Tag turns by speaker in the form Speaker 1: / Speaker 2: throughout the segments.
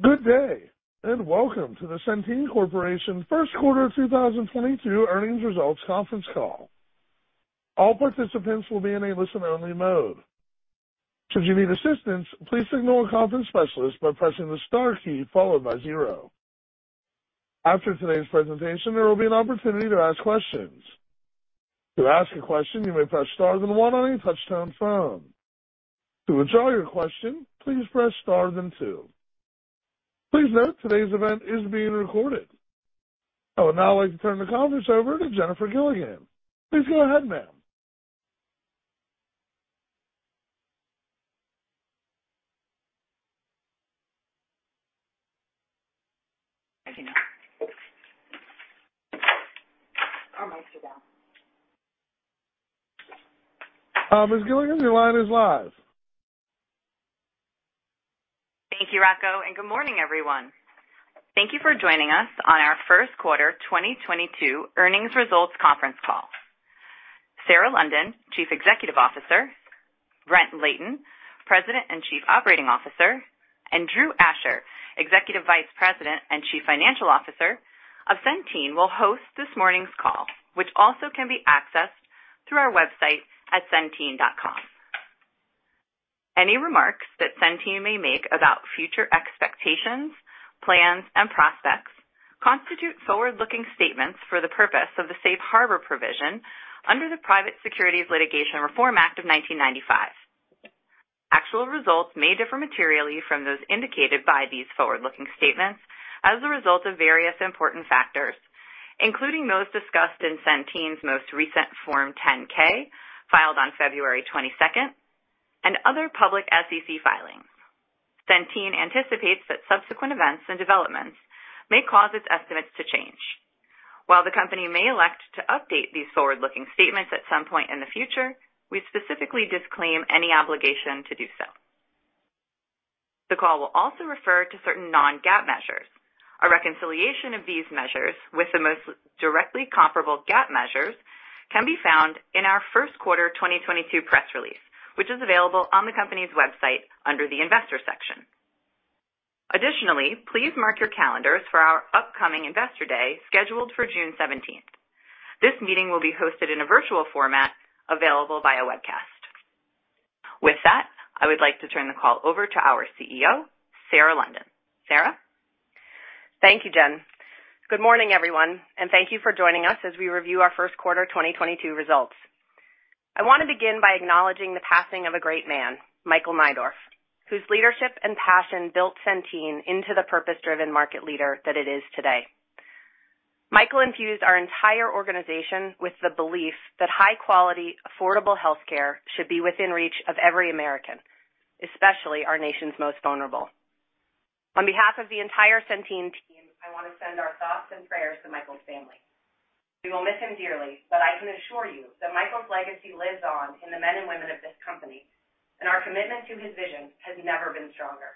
Speaker 1: Good day, and welcome to the Centene Corporation first quarter 2022 earnings results conference call. All participants will be in a listen-only mode. Should you need assistance, please signal a conference specialist by pressing the star key followed by zero. After today's presentation, there will be an opportunity to ask questions. To ask a question, you may press star then one on your touchtone phone. To withdraw your question, please press star then two. Please note today's event is being recorded. I would now like to turn the conference over to Jennifer Gilligan. Please go ahead, ma'am.
Speaker 2: Thank you. Our mics are down.
Speaker 1: Ms. Gilligan, your line is live.
Speaker 2: Thank you, Rocco, and good morning, everyone. Thank you for joining us on our first quarter 2022 earnings results conference call. Sarah London, Chief Executive Officer, Brent Layton, President and Chief Operating Officer, and Drew Asher, Executive Vice President and Chief Financial Officer of Centene, will host this morning's call, which also can be accessed through our website at centene.com. Any remarks that Centene may make about future expectations, plans, and prospects constitute forward-looking statements for the purpose of the Safe Harbor provision under the Private Securities Litigation Reform Act of 1995. Actual results may differ materially from those indicated by these forward-looking statements as a result of various important factors, including those discussed in Centene's most recent Form 10-K, filed on February 22, and other public SEC filings. Centene anticipates that subsequent events and developments may cause its estimates to change. While the company may elect to update these forward-looking statements at some point in the future, we specifically disclaim any obligation to do so. The call will also refer to certain non-GAAP measures. A reconciliation of these measures with the most directly comparable GAAP measures can be found in our first quarter 2022 press release, which is available on the company's website under the investor section. Additionally, please mark your calendars for our upcoming Investor Day, scheduled for June 17. This meeting will be hosted in a virtual format available via webcast. With that, I would like to turn the call over to our CEO, Sarah London. Sarah?
Speaker 3: Thank you, Jen. Good morning, everyone, and thank you for joining us as we review our first quarter 2022 results. I wanna begin by acknowledging the passing of a great man, Michael Neidorff, whose leadership and passion built Centene into the purpose-driven market leader that it is today. Michael infused our entire organization with the belief that high quality, affordable healthcare should be within reach of every American, especially our nation's most vulnerable. On behalf of the entire Centene team, I wanna send our thoughts and prayers to Michael's family. We will miss him dearly, but I can assure you that Michael's legacy lives on in the men and women of this company, and our commitment to his vision has never been stronger.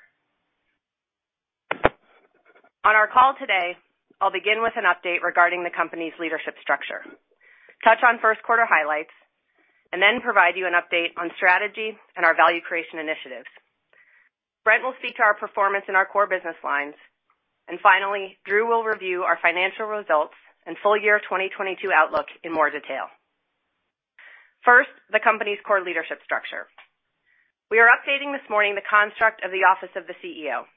Speaker 3: On our call today, I'll begin with an update regarding the company's leadership structure, touch on first quarter highlights, and then provide you an update on strategy and our value creation initiatives. Brent will speak to our performance in our core business lines. Finally, Drew will review our financial results and full year 2022 outlook in more detail. First, the company's core leadership structure. We are updating this morning the construct of the office of the CEO.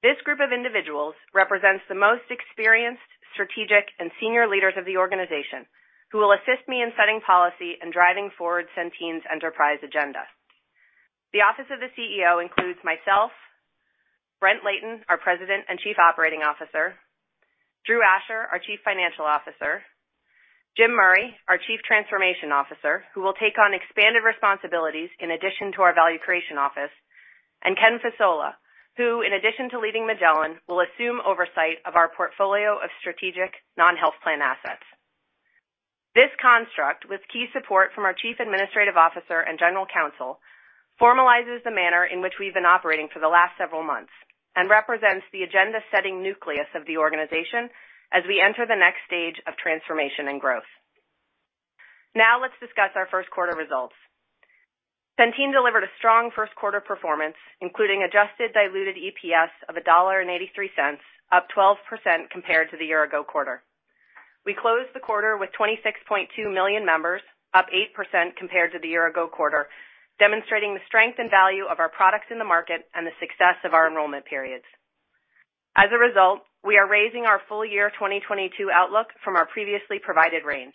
Speaker 3: This group of individuals represents the most experienced, strategic, and senior leaders of the organization, who will assist me in setting policy and driving forward Centene's enterprise agenda. The office of the CEO includes myself, Brent Layton, our President and Chief Operating Officer, Drew Asher, our Chief Financial Officer, Jim Murray, our Chief Transformation Officer, who will take on expanded responsibilities in addition to our Value Creation Office, and Ken Fasola, who, in addition to leading Magellan, will assume oversight of our portfolio of strategic non-health plan assets. This construct, with key support from our Chief Administrative Officer and General Counsel, formalizes the manner in which we've been operating for the last several months and represents the agenda-setting nucleus of the organization as we enter the next stage of transformation and growth. Now let's discuss our first quarter results. Centene delivered a strong first quarter performance, including adjusted diluted EPS of $1.83, up 12% compared to the year-ago quarter. We closed the quarter with 26.2 million members, up 8% compared to the year-ago quarter, demonstrating the strength and value of our products in the market and the success of our enrollment periods. As a result, we are raising our full year 2022 outlook from our previously provided range.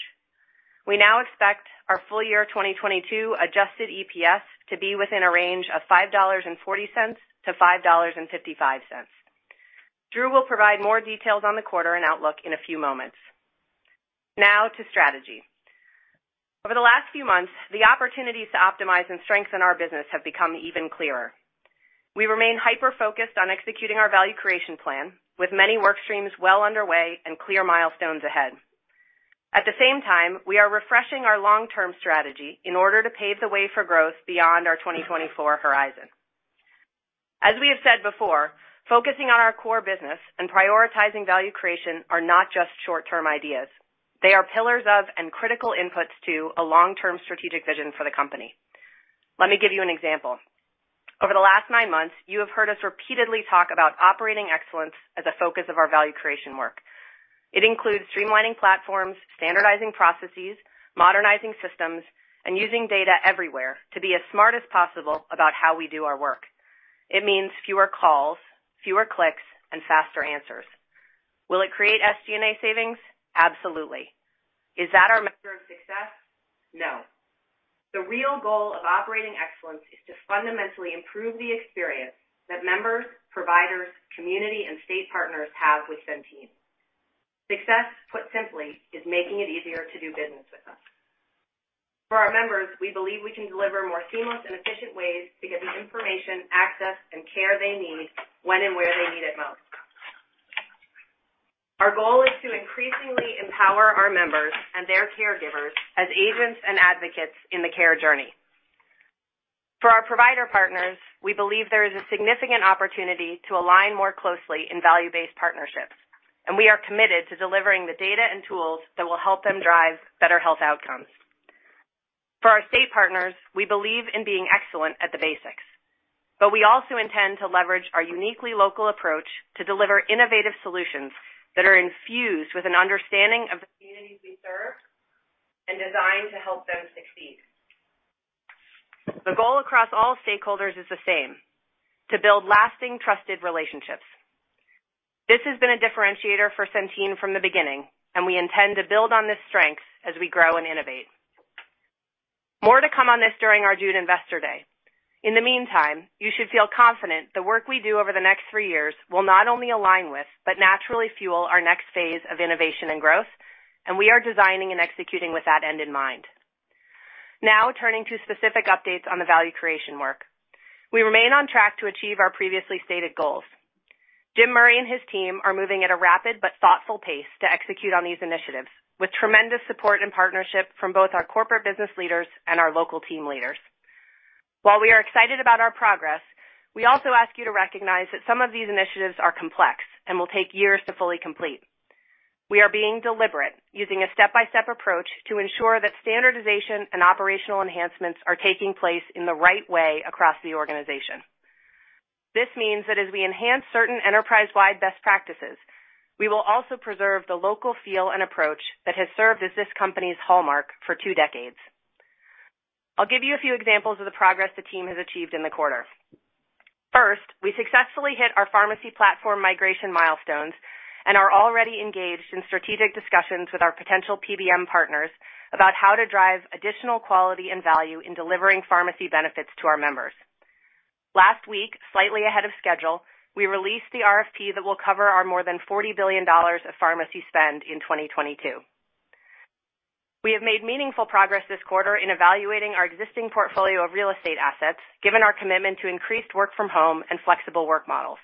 Speaker 3: We now expect our full year 2022 Adjusted EPS to be within a range of $5.40-$5.55. Drew will provide more details on the quarter and outlook in a few moments. Now to strategy. Over the last few months, the opportunities to optimize and strengthen our business have become even clearer. We remain hyper-focused on executing our Value Creation Plan, with many work streams well underway and clear milestones ahead. At the same time, we are refreshing our long-term strategy in order to pave the way for growth beyond our 2024 horizon. As we have said before, focusing on our core business and prioritizing value creation are not just short-term ideas. They are pillars of and critical inputs to a long-term strategic vision for the company. Let me give you an example. Over the last nine months, you have heard us repeatedly talk about operating excellence as a focus of our value creation work. It includes streamlining platforms, standardizing processes, modernizing systems, and using data everywhere to be as smart as possible about how we do our work. It means fewer calls, fewer clicks, and faster answers. Will it create SG&A savings? Absolutely. Is that our measure of success? No. The real goal of operating excellence is to fundamentally improve the experience that members, providers, community, and state partners have with Centene. Success, put simply, is making it easier to do business with us. For our members, we believe we can deliver more seamless and efficient ways to get the information, access, and care they need when and where they need it most. Our goal is to increasingly empower our members and their caregivers as agents and advocates in the care journey. For our provider partners, we believe there is a significant opportunity to align more closely in value-based partnerships, and we are committed to delivering the data and tools that will help them drive better health outcomes. For our state partners, we believe in being excellent at the basics, but we also intend to leverage our uniquely local approach to deliver innovative solutions that are infused with an understanding of the communities we serve and designed to help them succeed. The goal across all stakeholders is the same, to build lasting, trusted relationships. This has been a differentiator for Centene from the beginning, and we intend to build on this strength as we grow and innovate. More to come on this during our June Investor Day. In the meantime, you should feel confident the work we do over the next three years will not only align with but naturally fuel our next phase of innovation and growth, and we are designing and executing with that end in mind. Now turning to specific updates on the value creation work. We remain on track to achieve our previously stated goals. Jim Murray and his team are moving at a rapid but thoughtful pace to execute on these initiatives with tremendous support and partnership from both our corporate business leaders and our local team leaders. While we are excited about our progress, we also ask you to recognize that some of these initiatives are complex and will take years to fully complete. We are being deliberate, using a step-by-step approach to ensure that standardization and operational enhancements are taking place in the right way across the organization. This means that as we enhance certain enterprise-wide best practices, we will also preserve the local feel and approach that has served as this company's hallmark for two decades. I'll give you a few examples of the progress the team has achieved in the quarter. First, we successfully hit our pharmacy platform migration milestones and are already engaged in strategic discussions with our potential PBM partners about how to drive additional quality and value in delivering pharmacy benefits to our members. Last week, slightly ahead of schedule, we released the RFP that will cover our more than $40 billion of pharmacy spend in 2022. We have made meaningful progress this quarter in evaluating our existing portfolio of real estate assets, given our commitment to increased work from home and flexible work models.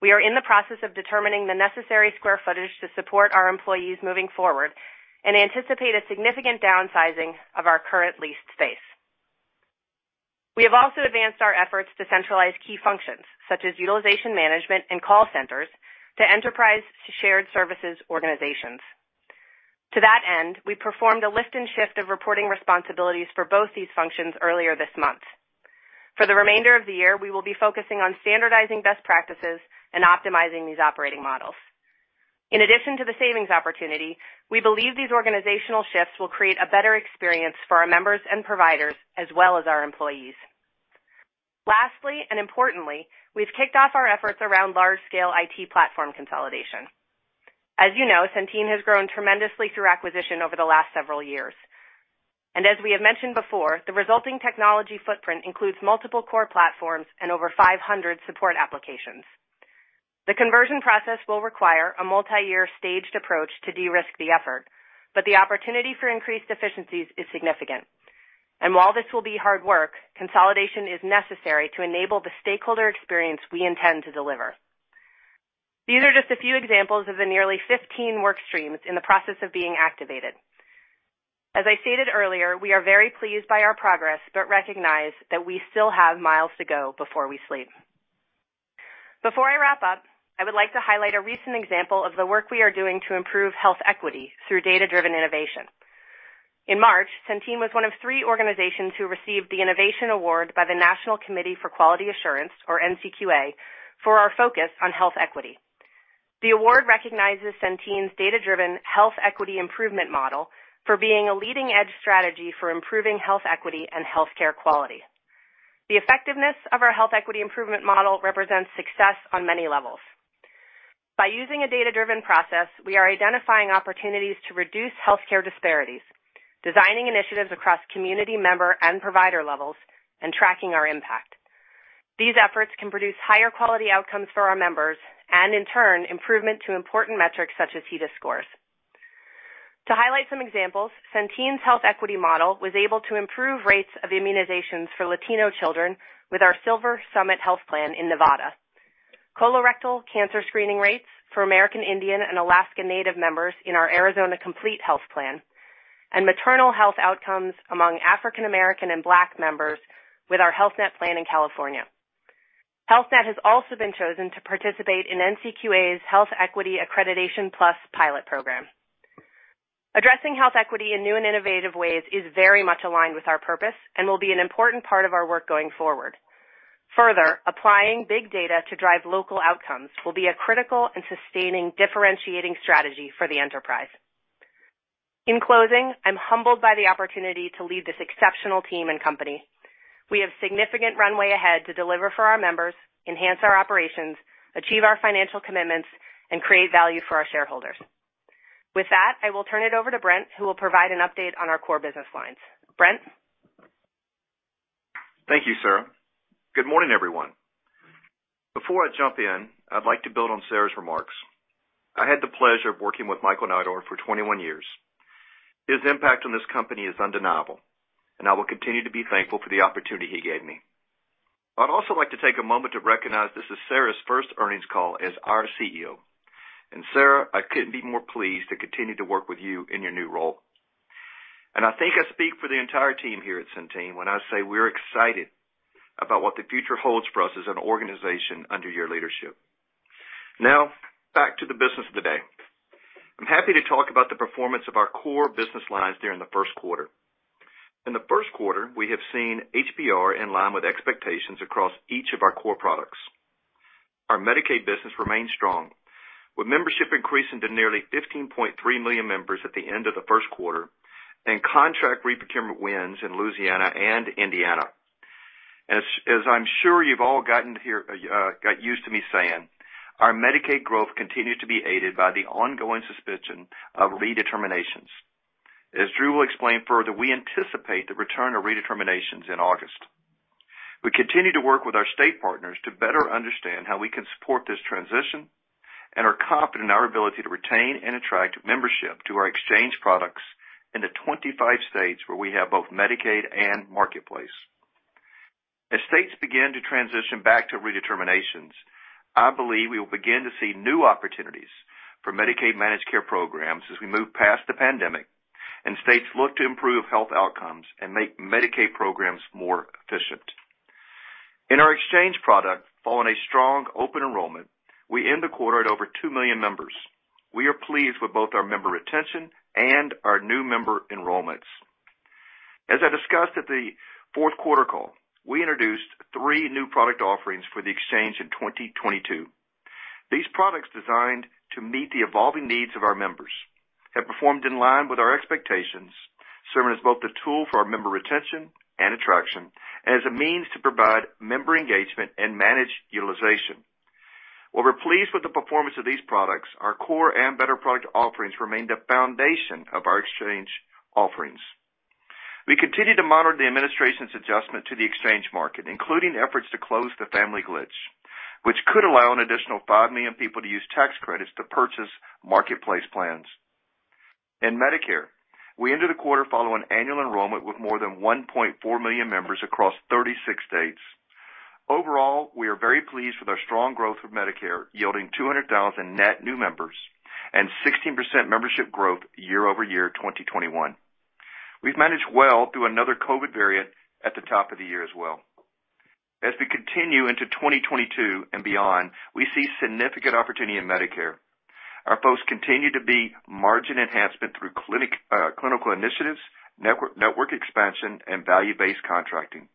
Speaker 3: We are in the process of determining the necessary square footage to support our employees moving forward and anticipate a significant downsizing of our current leased space. We have also advanced our efforts to centralize key functions such as utilization management and call centers to enterprise shared services organizations. To that end, we performed a lift and shift of reporting responsibilities for both these functions earlier this month. For the remainder of the year, we will be focusing on standardizing best practices and optimizing these operating models. In addition to the savings opportunity, we believe these organizational shifts will create a better experience for our members and providers as well as our employees. Lastly, and importantly, we've kicked off our efforts around large-scale IT platform consolidation. As you know, Centene has grown tremendously through acquisition over the last several years. As we have mentioned before, the resulting technology footprint includes multiple core platforms and over 500 support applications. The conversion process will require a multi-year staged approach to de-risk the effort, but the opportunity for increased efficiencies is significant. While this will be hard work, consolidation is necessary to enable the stakeholder experience we intend to deliver. These are just a few examples of the nearly 15 work streams in the process of being activated. As I stated earlier, we are very pleased by our progress, but recognize that we still have miles to go before we sleep. Before I wrap up, I would like to highlight a recent example of the work we are doing to improve health equity through data-driven innovation. In March, Centene was one of three organizations who received the Innovation Award by the National Committee for Quality Assurance, or NCQA, for our focus on health equity. The award recognizes Centene's data-driven health equity improvement model for being a leading-edge strategy for improving health equity and healthcare quality. The effectiveness of our health equity improvement model represents success on many levels. By using a data-driven process, we are identifying opportunities to reduce healthcare disparities, designing initiatives across community member and provider levels, and tracking our impact. These efforts can produce higher quality outcomes for our members, and in turn, improvement to important metrics such as HEDIS scores. To highlight some examples, Centene's health equity model was able to improve rates of immunizations for Latino children with our SilverSummit Healthplan in Nevada, colorectal cancer screening rates for American Indian and Alaska Native members in our Arizona Complete Health, and maternal health outcomes among African American and Black members with our Health Net in California. Health Net has also been chosen to participate in NCQA's Health Equity Accreditation Plus pilot program. Addressing health equity in new and innovative ways is very much aligned with our purpose and will be an important part of our work going forward. Further, applying big data to drive local outcomes will be a critical and sustaining differentiating strategy for the enterprise. In closing, I'm humbled by the opportunity to lead this exceptional team and company. We have significant runway ahead to deliver for our members, enhance our operations, achieve our financial commitments, and create value for our shareholders. With that, I will turn it over to Brent, who will provide an update on our core business lines. Brent?
Speaker 4: Thank you, Sarah. Good morning, everyone. Before I jump in, I'd like to build on Sarah's remarks. I had the pleasure of working with Michael Neidorff for 21 years. His impact on this company is undeniable, and I will continue to be thankful for the opportunity he gave me. I'd also like to take a moment to recognize this is Sarah's first earnings call as our CEO. Sarah, I couldn't be more pleased to continue to work with you in your new role. I think I speak for the entire team here at Centene when I say we're excited about what the future holds for us as an organization under your leadership. Now, back to the business of the day. I'm happy to talk about the performance of our core business lines during the first quarter. In the first quarter, we have seen HBR in line with expectations across each of our core products. Our Medicaid business remains strong, with membership increasing to nearly 15.3 million members at the end of the first quarter, and contract reprocurement wins in Louisiana and Indiana. As I'm sure you've all gotten to hear, got used to me saying, our Medicaid growth continued to be aided by the ongoing suspension of redeterminations. As Drew will explain further, we anticipate the return of redeterminations in August. We continue to work with our state partners to better understand how we can support this transition and are confident in our ability to retain and attract membership to our exchange products in the 25 states where we have both Medicaid and Marketplace. As states begin to transition back to redeterminations, I believe we will begin to see new opportunities for Medicaid managed care programs as we move past the pandemic, and states look to improve health outcomes and make Medicaid programs more efficient. In our exchange product, following a strong open enrollment, we end the quarter at over two million members. We are pleased with both our member retention and our new member enrollments. As I discussed at the fourth quarter call, we introduced three new product offerings for the exchange in 2022. These products designed to meet the evolving needs of our members, have performed in line with our expectations, serving as both the tool for our member retention and attraction, and as a means to provide member engagement and manage utilization. While we're pleased with the performance of these products, our core and better product offerings remain the foundation of our exchange offerings. We continue to monitor the administration's adjustment to the exchange market, including efforts to close the family glitch, which could allow an additional five million people to use tax credits to purchase Marketplace plans. In Medicare, we ended the quarter following annual enrollment with more than 1.4 million members across 36 states. Overall, we are very pleased with our strong growth of Medicare, yielding 200,000 net new members and 16% membership growth year-over-year, 2021. We've managed well through another COVID variant at the top of the year as well. As we continue into 2022 and beyond, we see significant opportunity in Medicare. Our posts continue to be margin enhancement through clinical initiatives, network expansion, and value-based contracting.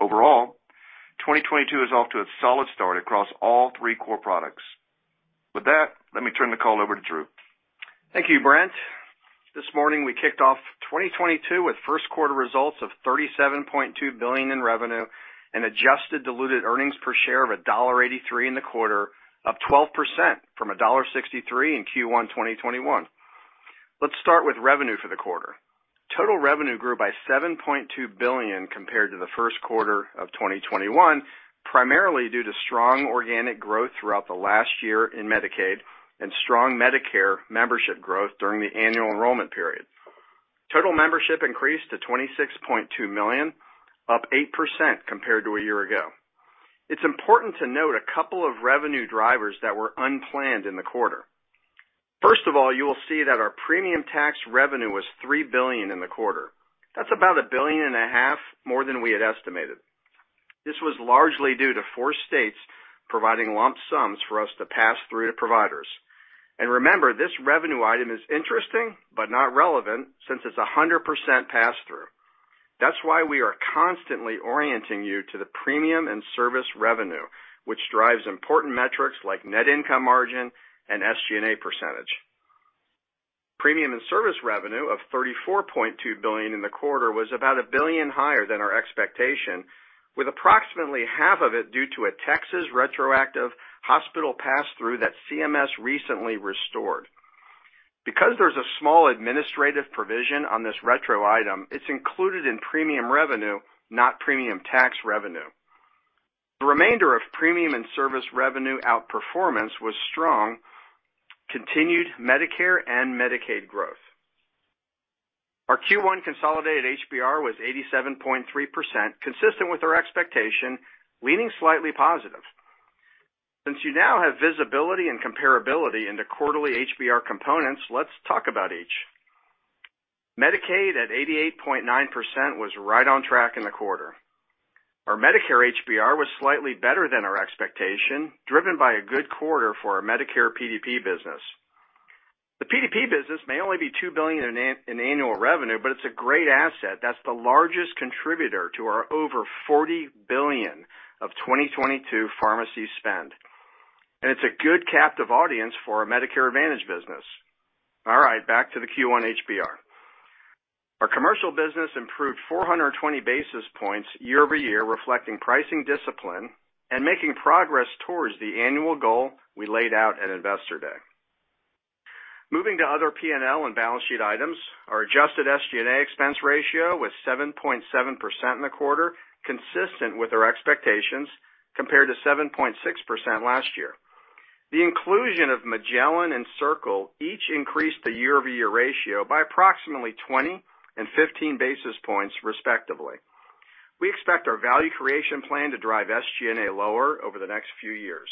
Speaker 4: Overall, 2022 is off to a solid start across all three core products. With that, let me turn the call over to Drew.
Speaker 5: Thank you, Brent. This morning, we kicked off 2022 with first quarter results of $37.2 billion in revenue and adjusted diluted earnings per share of $1.83 in the quarter, up 12% from $1.63 in Q1 2021. Let's start with revenue for the quarter. Total revenue grew by $7.2 billion compared to the first quarter of 2021, primarily due to strong organic growth throughout the last year in Medicaid and strong Medicare membership growth during the annual enrollment period. Total membership increased to 26.2 million, up 8% compared to a year ago. It's important to note a couple of revenue drivers that were unplanned in the quarter. First of all, you will see that our premium tax revenue was $3 billion in the quarter. That's about $1.5 billion more than we had estimated. This was largely due to four states providing lump sums for us to pass through to providers. Remember, this revenue item is interesting but not relevant since it's 100% pass-through. That's why we are constantly orienting you to the premium and service revenue, which drives important metrics like net income margin and SG&A percentage. Premium and service revenue of $34.2 billion in the quarter was about $1 billion higher than our expectation, with approximately half of it due to a Texas retroactive hospital pass-through that CMS recently restored. Because there's a small administrative provision on this retro item, it's included in premium revenue, not premium tax revenue. The remainder of premium and service revenue outperformance was strong, continued Medicare and Medicaid growth. Our Q1 consolidated HBR was 87.3%, consistent with our expectation, leaning slightly positive. Since you now have visibility and comparability into quarterly HBR components, let's talk about each. Medicaid at 88.9% was right on track in the quarter. Our Medicare HBR was slightly better than our expectation, driven by a good quarter for our Medicare PDP business. The PDP business may only be $2 billion in annual revenue, but it's a great asset that's the largest contributor to our over $40 billion of 2022 pharmacy spend. It's a good captive audience for our Medicare Advantage business. All right, back to the Q1 HBR. Our commercial business improved 420 basis points year-over-year, reflecting pricing discipline and making progress towards the annual goal we laid out at Investor Day. Moving to other P&L and balance sheet items. Our Adjusted SG&A expense ratio was 7.7% in the quarter, consistent with our expectations compared to 7.6% last year. The inclusion of Magellan and Circle each increased the year-over-year ratio by approximately 20 and 15 basis points, respectively. We expect our Value Creation Plan to drive SG&A lower over the next few years.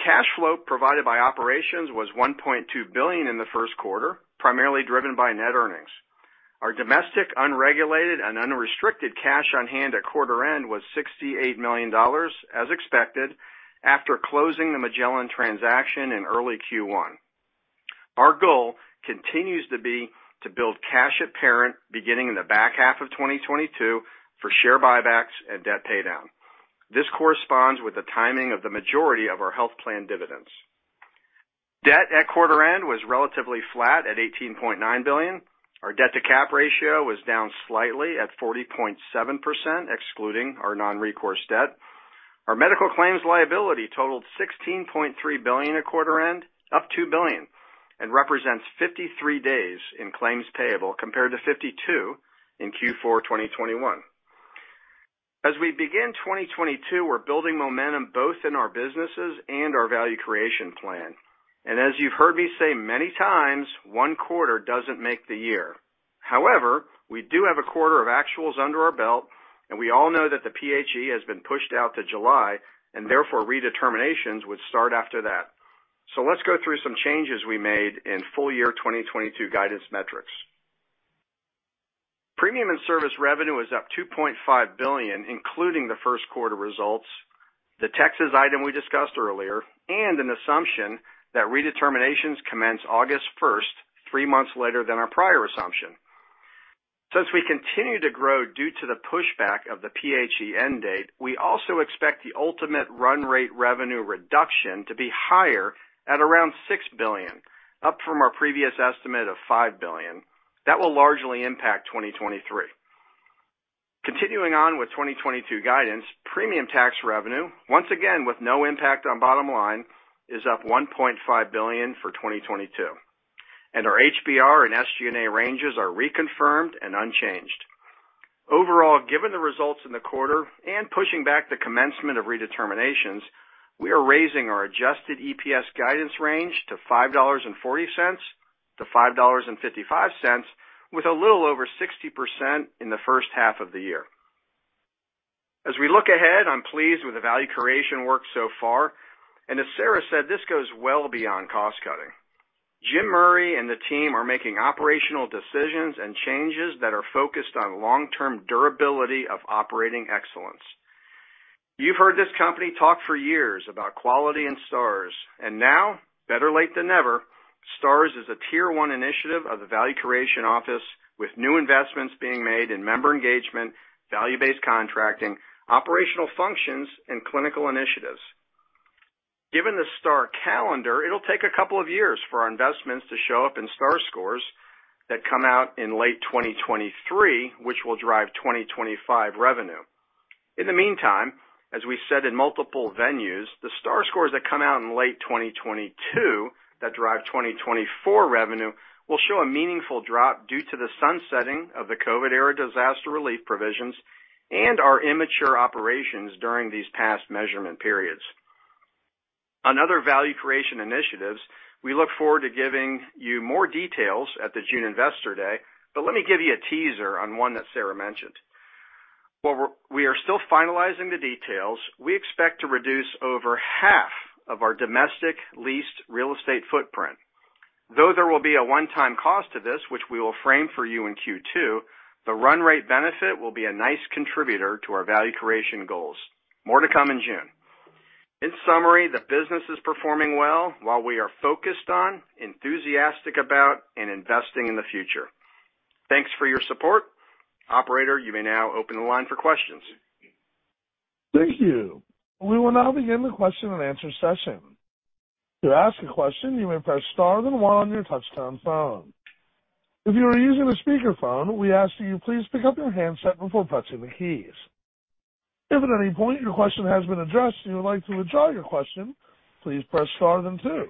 Speaker 5: Cash flow provided by operations was $1.2 billion in the first quarter, primarily driven by net earnings. Our domestic unregulated and unrestricted cash on hand at quarter end was $68 million, as expected, after closing the Magellan transaction in early Q1. Our goal continues to be to build cash at parent beginning in the back half of 2022 for share buybacks and debt paydown. This corresponds with the timing of the majority of our health plan dividends. Debt at quarter end was relatively flat at $18.9 billion. Our debt to cap ratio was down slightly at 40.7%, excluding our non-recourse debt. Our medical claims liability totaled $16.3 billion at quarter end, up $2 billion, and represents 53 days in claims payable compared to 52 in Q4 2021. As we begin 2022, we're building momentum both in our businesses and our Value Creation Plan. As you've heard me say many times, one quarter doesn't make the year. However, we do have a quarter of actuals under our belt, and we all know that the PHE has been pushed out to July, and therefore, redeterminations would start after that. Let's go through some changes we made in full year 2022 guidance metrics. Premium and service revenue is up $2.5 billion, including the first quarter results, the Texas item we discussed earlier, and an assumption that redeterminations commence August 1, three months later than our prior assumption. Since we continue to grow due to the pushback of the PHE end date, we also expect the ultimate run rate revenue reduction to be higher at around $6 billion, up from our previous estimate of $5 billion. That will largely impact 2023. Continuing on with 2022 guidance, premium tax revenue, once again with no impact on bottom line, is up $1.5 billion for 2022, and our MLR and SG&A ranges are reconfirmed and unchanged. Overall, given the results in the quarter and pushing back the commencement of redeterminations, we are raising our Adjusted EPS guidance range to $5.40-$5.55, with a little over 60% in the first half of the year. As we look ahead, I'm pleased with the value creation work so far, and as Sarah said, this goes well beyond cost cutting. Jim Murray and the team are making operational decisions and changes that are focused on long-term durability of operating excellence. You've heard this company talk for years about quality and Stars, and now, better late than never, Stars is a Tier 1 initiative of the Value Creation Office, with new investments being made in member engagement, value-based contracting, operational functions, and clinical initiatives. Given the Star calendar, it'll take a couple of years for our investments to show up in Star scores that come out in late 2023, which will drive 2025 revenue. In the meantime, as we said in multiple venues, the Star scores that come out in late 2022 that drive 2024 revenue will show a meaningful drop due to the sunsetting of the COVID era disaster relief provisions and our immature operations during these past measurement periods. On other Value Creation initiatives, we look forward to giving you more details at the June Investor Day, but let me give you a teaser on one that Sarah mentioned. While we are still finalizing the details, we expect to reduce over half of our domestic leased real estate footprint. Though there will be a one-time cost to this, which we will frame for you in Q2, the run rate benefit will be a nice contributor to our value creation goals. More to come in June. In summary, the business is performing well while we are focused on, enthusiastic about, and investing in the future. Thanks for your support. Operator, you may now open the line for questions.
Speaker 1: Thank you. We will now begin the question and answer session. To ask a question, you may press star then one on your touchtone phone. If you are using a speakerphone, we ask that you please pick up your handset before pressing the keys. If at any point your question has been addressed and you would like to withdraw your question, please press star then two.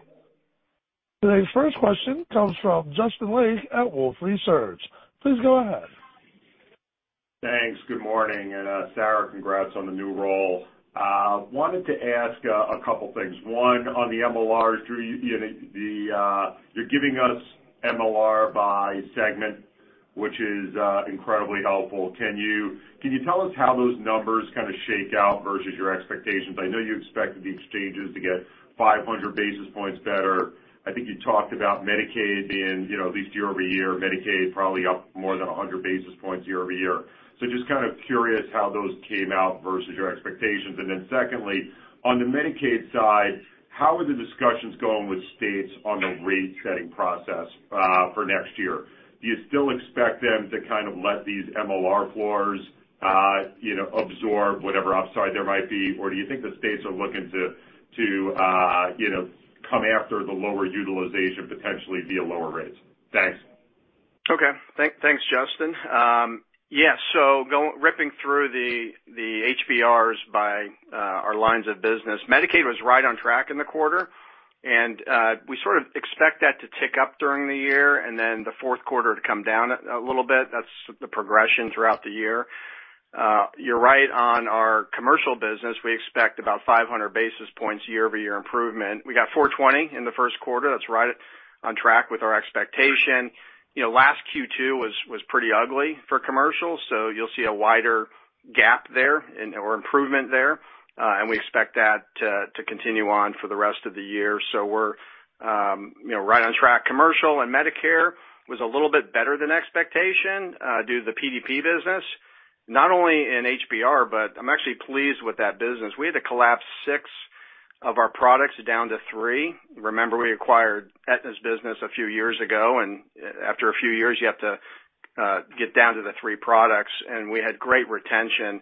Speaker 1: Today's first question comes from Justin Lake at Wolfe Research. Please go ahead.
Speaker 6: Thanks. Good morning, and Sarah, congrats on the new role. Wanted to ask a couple things. One, on the MLRs, Drew, you know, you're giving us MLR by segment. Which is incredibly helpful. Can you tell us how those numbers kind of shake out versus your expectations? I know you expected the exchanges to get 500 basis points better. I think you talked about Medicaid being, you know, at least year-over-year, Medicaid probably up more than 100 basis points year-over-year. So just kind of curious how those came out versus your expectations. Secondly, on the Medicaid side, how are the discussions going with states on the rate setting process for next year? Do you still expect them to kind of let these MLR floors, you know, absorb whatever upside there might be, or do you think the states are looking to, you know, come after the lower utilization potentially via lower rates? Thanks.
Speaker 5: Thanks, Justin. Yes. Ripping through the HBRs by our lines of business, Medicaid was right on track in the quarter. We sort of expect that to tick up during the year and then the fourth quarter to come down a little bit. That's the progression throughout the year. You're right on our commercial business. We expect about 500 basis points year-over-year improvement. We got 420 in the first quarter. That's right on track with our expectation. You know, last Q2 was pretty ugly for commercial, so you'll see a wider gap there in improvement there. We expect that to continue on for the rest of the year. We're, you know, right on track. Commercial and Medicare was a little bit better than expectation, due to the PDP business, not only in HBR, but I'm actually pleased with that business. We had to collapse six of our products down to three. Remember, we acquired Aetna's business a few years ago, and after a few years, you have to get down to the three products. We had great retention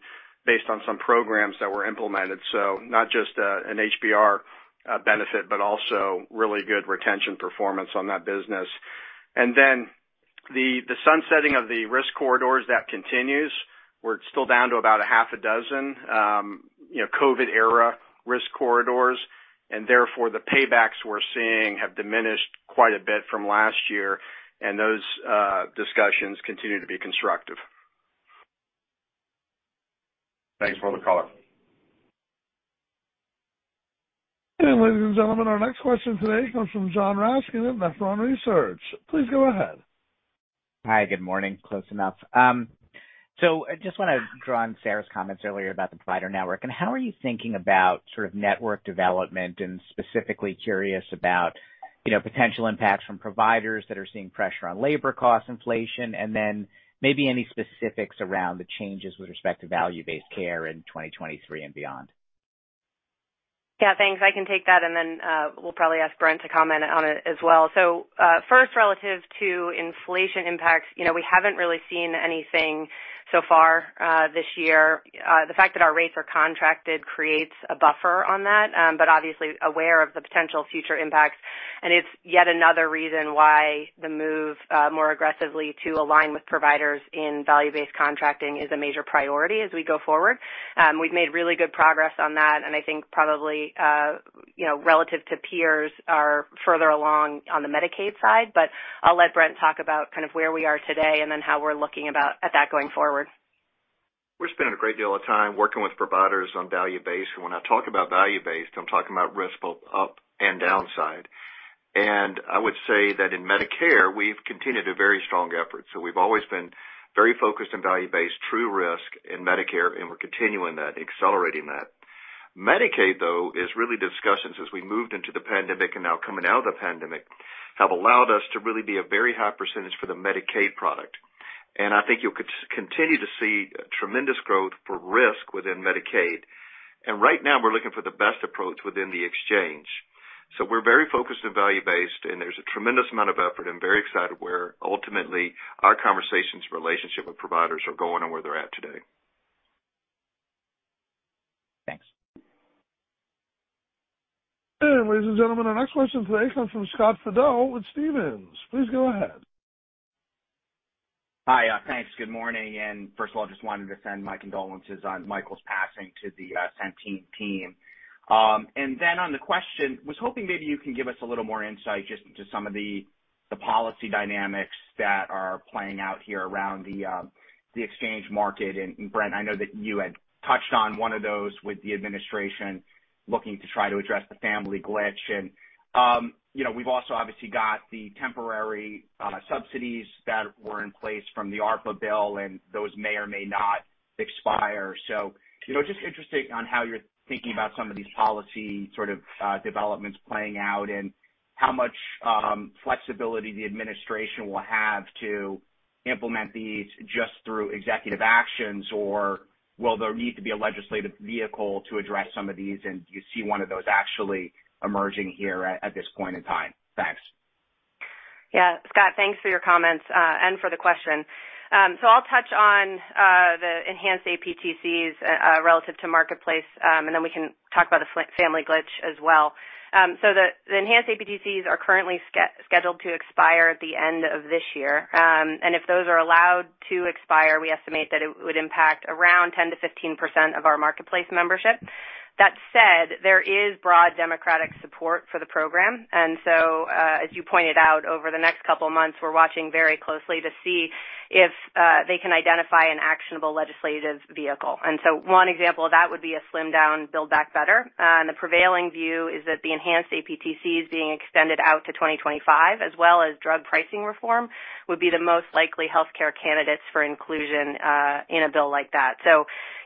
Speaker 5: based on some programs that were implemented. Not just an HBR benefit, but also really good retention performance on that business. Then the sunsetting of the risk corridors that continues, we're still down to about six, you know, COVID era risk corridors, and therefore, the paybacks we're seeing have diminished quite a bit from last year, and those discussions continue to be constructive.
Speaker 6: Thanks for the color.
Speaker 1: Ladies and gentlemen, our next question today comes from Joshua Raskin at Nephron Research. Please go ahead.
Speaker 7: Hi, good morning. Close enough. I just wanna draw on Sarah's comments earlier about the provider network, and how are you thinking about sort of network development and specifically curious about, you know, potential impacts from providers that are seeing pressure on labor cost inflation, and then maybe any specifics around the changes with respect to value-based care in 2023 and beyond.
Speaker 3: Yeah, thanks. I can take that, and then we'll probably ask Brent to comment on it as well. First, relative to inflation impacts, you know, we haven't really seen anything so far this year. The fact that our rates are contracted creates a buffer on that, but we're obviously aware of the potential future impacts. It's yet another reason why the move more aggressively to align with providers in value-based contracting is a major priority as we go forward. We've made really good progress on that, and I think probably you know, relative to peers, we are further along on the Medicaid side. I'll let Brent talk about kind of where we are today and then how we're looking at that going forward.
Speaker 5: We're spending a great deal of time working with providers on value-based. When I talk about value-based, I'm talking about risk both up and downside. I would say that in Medicare, we've continued a very strong effort. We've always been very focused on value-based true risk in Medicare, and we're continuing that, accelerating that. Medicaid, though, is really discussions as we moved into the pandemic and now coming out of the pandemic, have allowed us to really be a very high percentage for the Medicaid product. I think you'll continue to see tremendous growth for risk within Medicaid. Right now we're looking for the best approach within the Marketplace. We're very focused on value-based, and there's a tremendous amount of effort. I'm very excited where ultimately our conversations, relationship with providers are going and where they're at today.
Speaker 7: Thanks.
Speaker 1: Ladies and gentlemen, our next question today comes from Scott Fidel with Stephens. Please go ahead.
Speaker 8: Hi. Thanks. Good morning. First of all, just wanted to send my condolences on Michael's passing to the Centene team. Then on the question, I was hoping maybe you can give us a little more insight into some of the policy dynamics that are playing out here around the exchange market. Brent, I know that you had touched on one of those with the administration looking to try to address the family glitch. You know, we've also obviously got the temporary subsidies that were in place from the ARPA bill, and those may or may not expire. You know, just interested on how you're thinking about some of these policy sort of developments playing out and how much flexibility the administration will have to implement these just through executive actions, or will there need to be a legislative vehicle to address some of these? And do you see one of those actually emerging here at this point in time? Thanks.
Speaker 3: Yeah. Scott, thanks for your comments and for the question. I'll touch on the enhanced APTCs relative to Marketplace, and then we can talk about the family glitch as well. The enhanced APTCs are currently scheduled to expire at the end of this year. If those are allowed to expire, we estimate that it would impact around 10%-15% of our Marketplace membership. That said, there is broad Democratic support for the program. As you pointed out, over the next couple of months, we're watching very closely to see if they can identify an actionable legislative vehicle. One example of that would be a slimmed down Build Back Better. The prevailing view is that the enhanced APTCs being extended out to 2025 as well as drug pricing reform would be the most likely healthcare candidates for inclusion in a bill like that.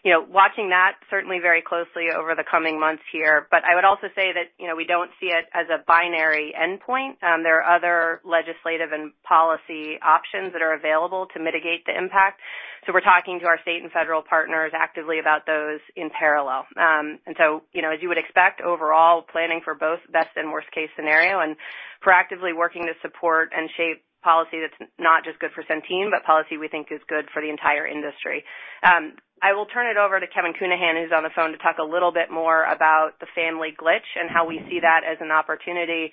Speaker 3: You know, watching that certainly very closely over the coming months here. I would also say that, you know, we don't see it as a binary endpoint. There are other legislative and policy options that are available to mitigate the impact. We're talking to our state and federal partners actively about those in parallel. You know, as you would expect, overall planning for both best and worst case scenario and proactively working to support and shape policy that's not just good for Centene, but policy we think is good for the entire industry. I will turn it over to Kevin Counihan, who's on the phone, to talk a little bit more about the family glitch and how we see that as an opportunity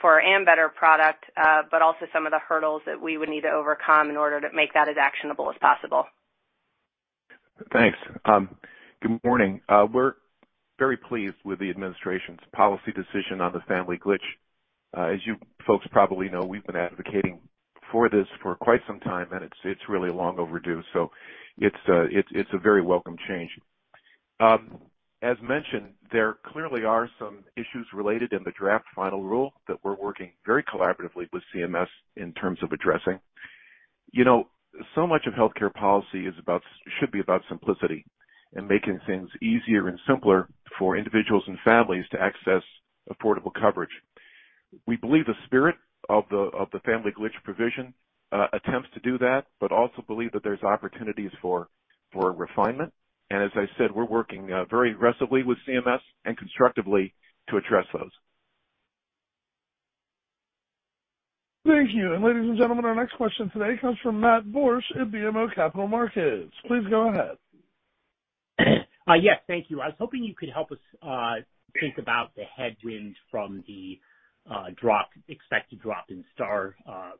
Speaker 3: for Ambetter product, but also some of the hurdles that we would need to overcome in order to make that as actionable as possible.
Speaker 9: Thanks. Good morning. We're very pleased with the administration's policy decision on the family glitch. As you folks probably know, we've been advocating for this for quite some time, and it's really long overdue. It's a very welcome change. As mentioned, there clearly are some issues related to the draft final rule that we're working very collaboratively with CMS in terms of addressing. You know, so much of healthcare policy should be about simplicity and making things easier and simpler for individuals and families to access affordable coverage. We believe the spirit of the family glitch provision attempts to do that, but also believe that there's opportunities for refinement. As I said, we're working very aggressively with CMS and constructively to address those.
Speaker 1: Thank you. Ladies and gentlemen, our next question today comes from Matt Borsch at BMO Capital Markets. Please go ahead.
Speaker 10: Yes, thank you. I was hoping you could help us think about the headwinds from the expected drop in Star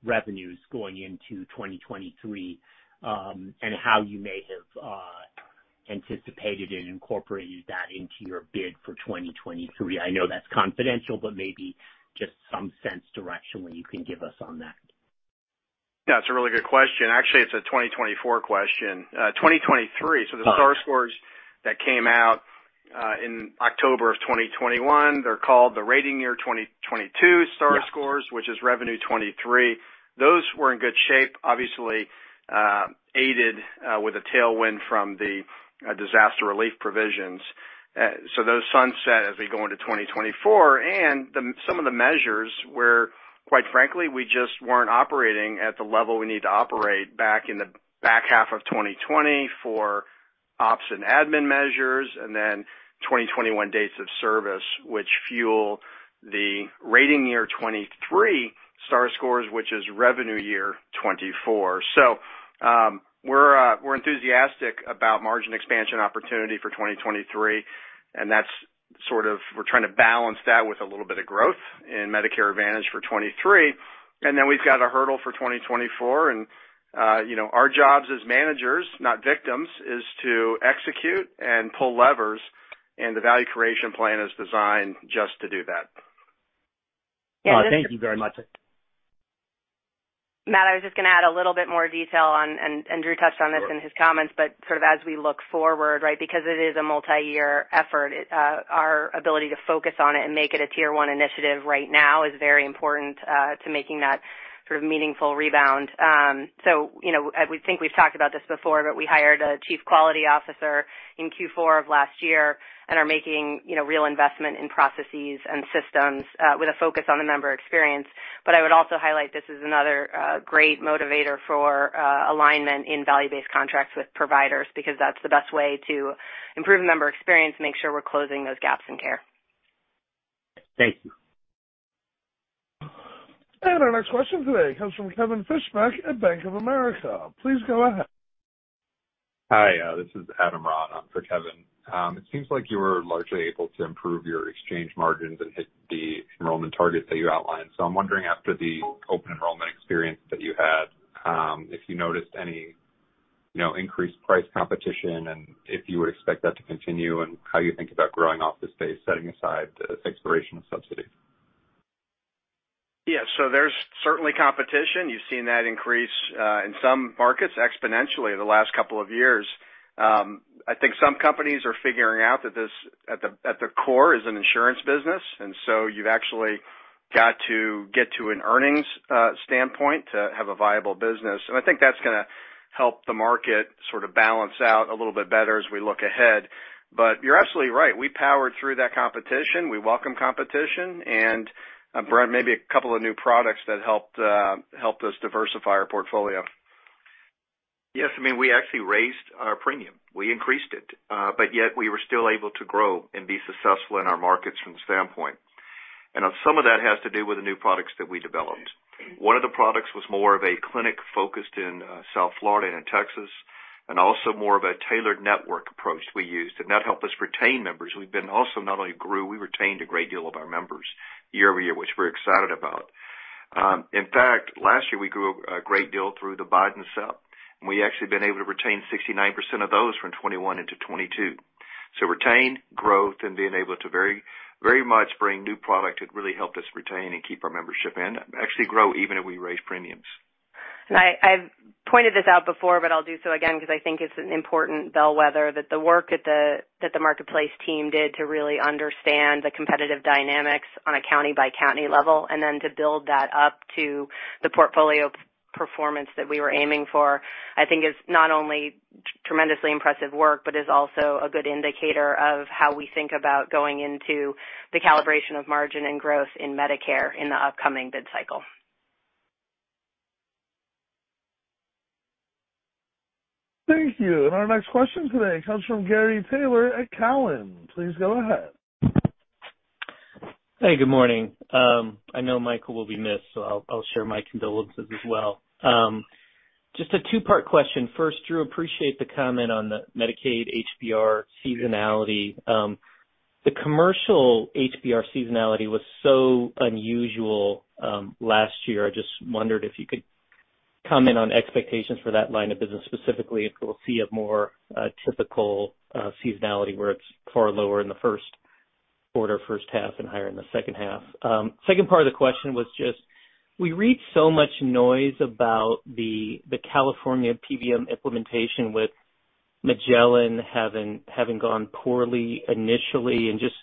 Speaker 10: revenues going into 2023, and how you may have anticipated and incorporated that into your bid for 2023. I know that's confidential, but maybe just some sense directionally you can give us on that.
Speaker 5: Yeah, it's a really good question. Actually, it's a 2024 question. Twenty twenty-three, so the Star Ratings that came out in October of 2021, they're called the rating year 2022 Star Ratings, which is revenue 2023. Those were in good shape, obviously, aided with a tailwind from the disaster relief provisions. Those sunset as we go into 2024. Some of the measures were, quite frankly, we just weren't operating at the level we need to operate back in the back half of 2020 for ops and admin measures, and then 2021 dates of service, which fuel the rating year 2023 Star Ratings, which is revenue year 2024. We're enthusiastic about margin expansion opportunity for 2023, and that's sort of, we're trying to balance that with a little bit of growth in Medicare Advantage for 2023. Then we've got a hurdle for 2024. You know, our jobs as managers, not victims, is to execute and pull levers, and the Value Creation Plan is designed just to do that.
Speaker 10: Thank you very much.
Speaker 3: Matt, I was just gonna add a little bit more detail on, and Drew touched on this in his comments, but sort of as we look forward, right, because it is a multi-year effort, our ability to focus on it and make it a Tier 1 initiative right now is very important to making that sort of meaningful rebound. So, you know, I would think we've talked about this before, but we hired a Chief Quality Officer in Q4 of last year and are making, you know, real investment in processes and systems, with a focus on the member experience. But I would also highlight this is another great motivator for alignment in value-based contracts with providers, because that's the best way to improve member experience and make sure we're closing those gaps in care.
Speaker 10: Thank you.
Speaker 1: Our next question today comes from Kevin Fischbeck at Bank of America. Please go ahead.
Speaker 11: Hi, this is Adam Ron for Kevin. It seems like you were largely able to improve your exchange margins and hit the enrollment targets that you outlined. I'm wondering, after the open enrollment experience that you had, if you noticed any, you know, increased price competition and if you would expect that to continue, and how you think about growing off this base, setting aside the expiration of subsidies.
Speaker 5: Yeah. There's certainly competition. You've seen that increase in some markets exponentially the last couple of years. I think some companies are figuring out that this at the core is an insurance business, and you've actually got to get to an earnings standpoint to have a viable business. I think that's gonna help the market sort of balance out a little bit better as we look ahead. You're absolutely right. We powered through that competition. We welcome competition. Brent, maybe a couple of new products that helped us diversify our portfolio.
Speaker 4: Yes. I mean, we actually raised our premium. We increased it, but yet we were still able to grow and be successful in our markets from the standpoint. Some of that has to do with the new products that we developed. One of the products was more of a clinic focused in South Florida and in Texas, and also more of a tailored network approach we used, and that helped us retain members. We've been also not only grew, we retained a great deal of our members year-over-year, which we're excited about. In fact, last year we grew a great deal through the buy and sell, and we actually have been able to retain 69% of those from 2021 into 2022. Retained growth and being able to very, very much bring new product had really helped us retain and keep our membership, actually grow even if we raise premiums.
Speaker 3: I've pointed this out before, but I'll do so again because I think it's an important bellwether that the work that the marketplace team did to really understand the competitive dynamics on a county-by-county level, and then to build that up to the portfolio performance that we were aiming for, I think is not only tremendously impressive work, but is also a good indicator of how we think about going into the calibration of margin and growth in Medicare in the upcoming bid cycle.
Speaker 1: Thank you. Our next question today comes from Gary Taylor at Cowen. Please go ahead.
Speaker 12: Hey, good morning. I know Michael will be missed, so I'll share my condolences as well. Just a two-part question. First, Drew, appreciate the comment on the Medicaid HBR seasonality. The commercial HBR seasonality was so unusual last year. I just wondered if you could comment on expectations for that line of business, specifically if we'll see a more typical seasonality where it's far lower in the first quarter, first half and higher in the second half. Second part of the question was just, we read so much noise about the California PBM implementation with Magellan having gone poorly initially and just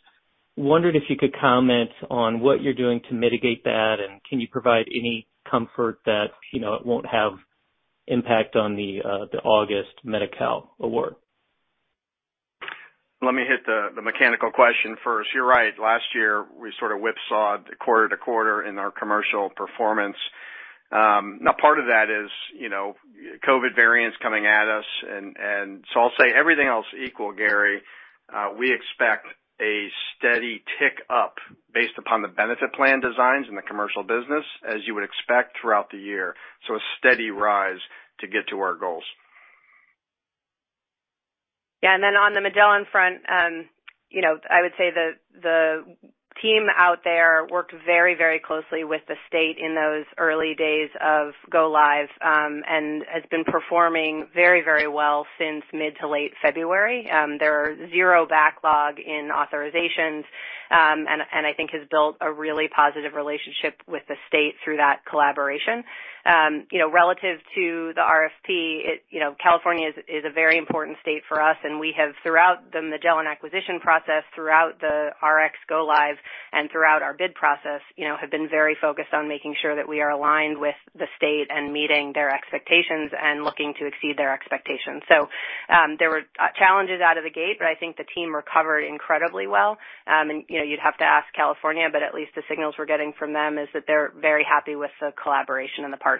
Speaker 12: wondered if you could comment on what you're doing to mitigate that, and can you provide any comfort that, you know, it won't have impact on the August Medi-Cal award?
Speaker 5: Let me hit the mechanical question first. You're right. Last year, we sort of whipsawed quarter to quarter in our commercial performance. Now part of that is, you know, COVID variants coming at us and so I'll say everything else equal, Gary, we expect a steady tick up based upon the benefit plan designs in the commercial business as you would expect throughout the year. So a steady rise to get to our goals.
Speaker 3: Yeah. Then on the Magellan front, you know, I would say the team out there worked very, very closely with the state in those early days of go live, and has been performing very, very well since mid to late February. There are zero backlog in authorizations, and I think has built a really positive relationship with the state through that collaboration. You know, relative to the RFP, you know, California is a very important state for us, and we have, throughout the Magellan acquisition process, throughout the RX go live, and throughout our bid process, you know, have been very focused on making sure that we are aligned with the state and meeting their expectations and looking to exceed their expectations. There were challenges out of the gate, but I think the team recovered incredibly well. You know, you'd have to ask California, but at least the signals we're getting from them is that they're very happy with the collaboration and the partnership.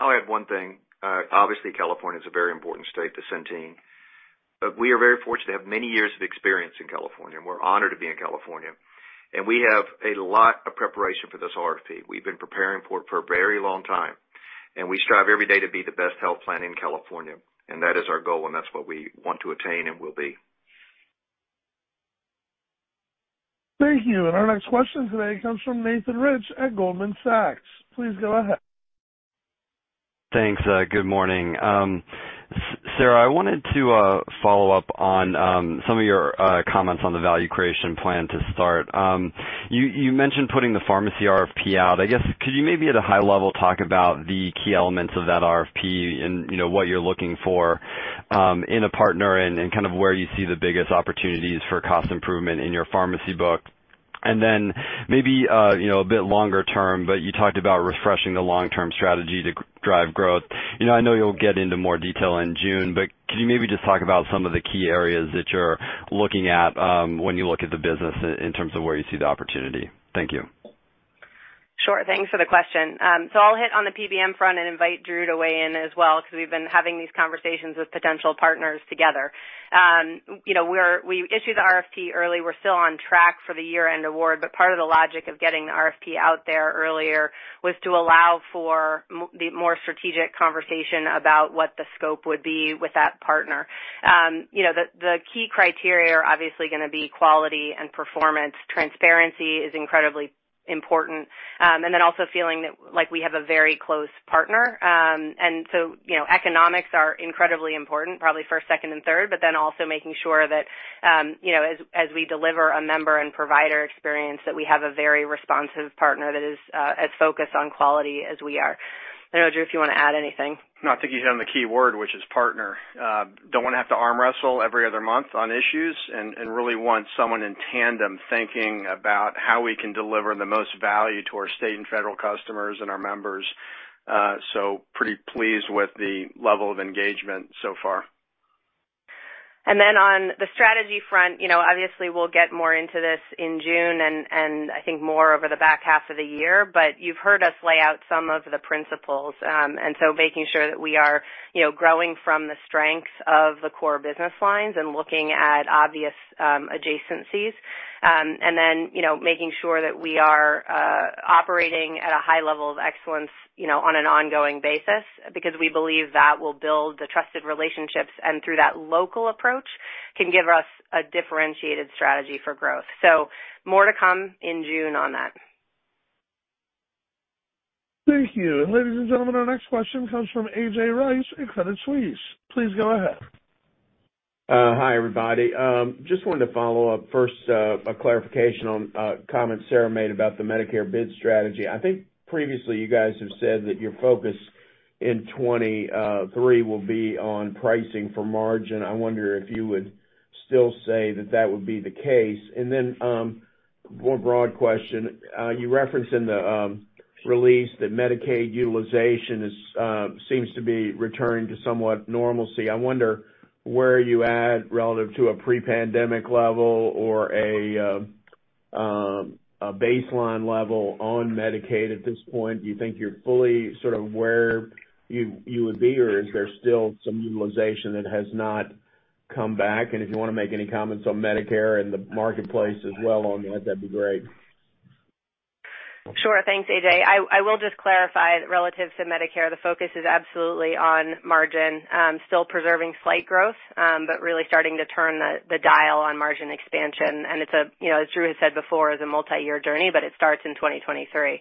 Speaker 5: I'll add one thing. Obviously, California is a very important state to Centene, but we are very fortunate to have many years of experience in California, and we're honored to be in California. We have a lot of preparation for this RFP. We've been preparing for it for a very long time, and we strive every day to be the best health plan in California. That is our goal, and that's what we want to attain and will be.
Speaker 1: Thank you. Our next question today comes from Nathan Rich at Goldman Sachs. Please go ahead.
Speaker 13: Thanks. Good morning. Sarah, I wanted to follow up on some of your comments on the Value Creation Plan to start. You mentioned putting the pharmacy RFP out. I guess could you maybe at a high level talk about the key elements of that RFP and, you know, what you're looking for in a partner and kind of where you see the biggest opportunities for cost improvement in your pharmacy book? Then maybe, you know, a bit longer term, but you talked about refreshing the long-term strategy to drive growth. You know, I know you'll get into more detail in June, but can you maybe just talk about some of the key areas that you're looking at when you look at the business in terms of where you see the opportunity? Thank you.
Speaker 3: Sure. Thanks for the question. So I'll hit on the PBM front and invite Drew to weigh in as well because we've been having these conversations with potential partners together. You know, we issued the RFP early. We're still on track for the year-end award, but part of the logic of getting the RFP out there earlier was to allow for the more strategic conversation about what the scope would be with that partner. You know, the key criteria are obviously gonna be quality and performance. Transparency is incredibly important, and then also feeling that, like, we have a very close partner. You know, economics are incredibly important, probably first, second, and third, but then also making sure that, you know, as we deliver a member and provider experience, that we have a very responsive partner that is as focused on quality as we are. I don't know, Drew, if you wanna add anything.
Speaker 5: No, I think you hit on the key word, which is partner. Don't wanna have to arm wrestle every other month on issues and really want someone in tandem thinking about how we can deliver the most value to our state and federal customers and our members. Pretty pleased with the level of engagement so far.
Speaker 3: On the strategy front, you know, obviously we'll get more into this in June and I think more over the back half of the year, but you've heard us lay out some of the principles. Making sure that we are, you know, growing from the strengths of the core business lines and looking at obvious adjacencies. Making sure that we are operating at a high level of excellence, you know, on an ongoing basis because we believe that will build the trusted relationships and through that local approach can give us a differentiated strategy for growth. More to come in June on that.
Speaker 1: Thank you. Ladies and gentlemen, our next question comes from A.J. Rice at Credit Suisse. Please go ahead.
Speaker 14: Hi, everybody. Just wanted to follow up first, a clarification on comments Sarah made about the Medicare bid strategy. I think previously you guys have said that your focus in 2023 will be on pricing for margin. I wonder if you would still say that that would be the case. Then, more broad question. You referenced in the release that Medicaid utilization is seems to be returning to somewhat normalcy. I wonder where you're at relative to a pre-pandemic level or a baseline level on Medicaid at this point. Do you think you're fully sort of where you would be, or is there still some utilization that has not come back? If you wanna make any comments on Medicare and the Marketplace as well on that'd be great.
Speaker 3: Sure. Thanks, A.J. I will just clarify that relative to Medicare, the focus is absolutely on margin. Still preserving slight growth, but really starting to turn the dial on margin expansion. It's, you know, as Drew has said before, is a multiyear journey, but it starts in 2023.